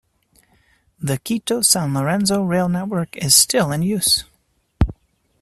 The Quito - San Lorenzo rail network is still in use.